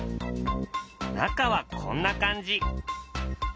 中はこんな感じ。